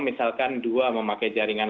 misalkan dua memakai jaringan